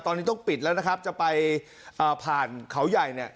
ตอนนี้ต้องปิดแล้วนะครับจะไปผ่านเขาใหญ่เนี่ย